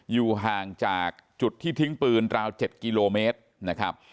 อยู่ห่างจากจุดที่ทิ้งปืนราว๗กิโลเมตรนะครับ